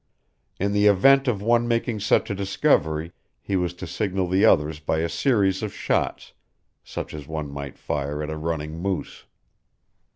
In the event of one making such a discovery he was to signal the others by a series of shots, such as one might fire at a running moose.